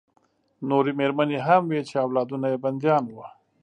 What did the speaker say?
نورې مېرمنې هم وې چې اولادونه یې بندیان وو